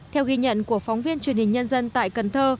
theo ghi nhận của phóng viên truyền hình nhân dân tại cần thơ